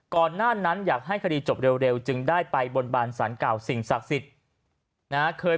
ก่อนหน้านั้นอยากให้คดีจบเร็วจึงได้ไปบนบานสารเก่าสิ่งศักดิ์สิทธิ์นะเคย